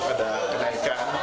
cukup ada kenaikan